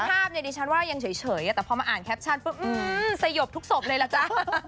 ภาพเนี่ยดิฉันว่ายังเฉยแต่พอมาอ่านแคปชั่นปุ๊บสยบทุกศพเลยล่ะจ๊ะ